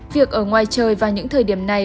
việc ở ngoài trời vào những thời điểm này